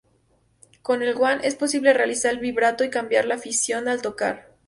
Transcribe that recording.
Con el "guan" es posible realizar vibrato y cambiar la afinación al tocar.